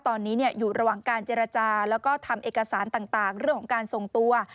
ตอนนี้อยู่ระหว่างการเจรจาแล้วก็ทำเอกสารต่างเรื่องของการส่งตัว